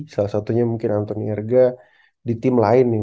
salah satunya mungkin anthony erga di tim lain nih